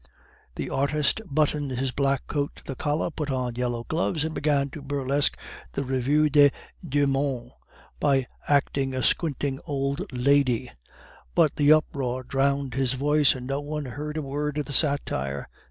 The artist buttoned his black coat to the collar, put on yellow gloves, and began to burlesque the Revue des Deux Mondes by acting a squinting old lady; but the uproar drowned his voice, and no one heard a word of the satire.